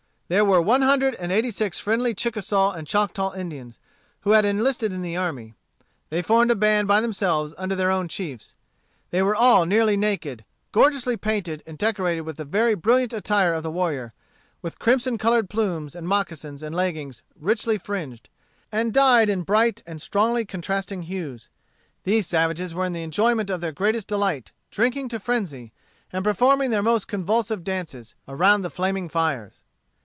There were one hundred and eighty six friendly Chickasaw and Choctaw Indians, who had enlisted in the army. They formed a band by themselves under their own chiefs. They were all nearly naked, gorgeously painted, and decorated with the very brilliant attire of the warrior, with crimson colored plumes, and moccasins and leggins richly fringed, and dyed in bright and strongly contrasting hues. These savages were in the enjoyment of their greatest delight, drinking to frenzy, and performing their most convulsive dances, around the flaming fires.